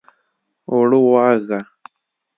اوړه واغږه!